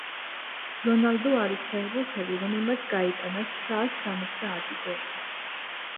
რონალდო არის ფეხბურთელი რომელმაც გაიტანა ცხრაასსამოცდაათი გოლი